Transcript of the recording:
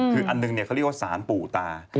คืออันหนึ่งเขาเรียกว่าสารปู่ตา